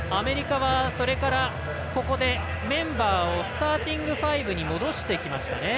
アメリカはそれから、ここでメンバーをスターティング５に戻してきました。